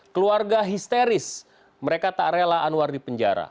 keluarga histeris mereka tak rela anwar dipenjara